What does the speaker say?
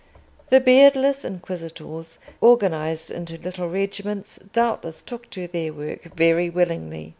The beardless inquisitors, organised into little regiments, doubtless took to their work very willingly.